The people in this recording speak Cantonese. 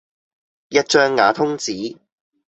一張瓦通紙